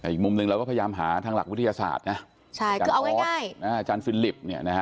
แต่อีกมุมหนึ่งเราก็พยายามหาทางหลักวิทยาศาสตร์นะอาจารย์ออสอาจารย์ฟิลิป